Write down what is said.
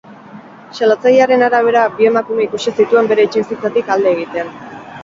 Salatzailearen arabera, bi emakume ikusi zituen bere etxebizitzatik alde egiten.